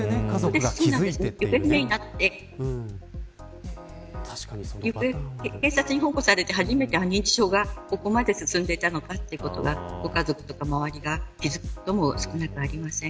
行方不明になって警察に保護されて初めて認知症が、ここまで進んでいたのかということにご家族や周りが気付くことも少なくありません。